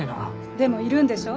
でもいるんでしょ。